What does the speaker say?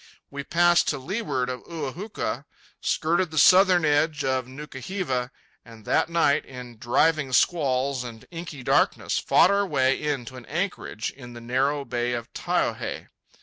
We passed to leeward of Ua huka, skirted the southern edge of Nuka hiva, and that night, in driving squalls and inky darkness, fought our way in to an anchorage in the narrow bay of Taiohae.